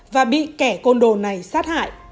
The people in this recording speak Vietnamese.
và bị kẻ côn đồ này sát hại